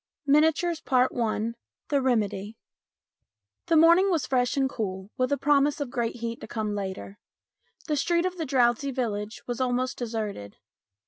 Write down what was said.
MINIATURES I THE REMEDY THE morning was fresh and cool with a promise of great heat to come later. The street of the drowsy village was almost deserted.